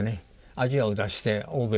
アジアを脱して欧米。